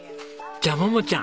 じゃあ桃ちゃん